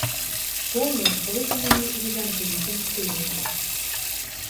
Помнік выкананы ў візантыйскім стылі.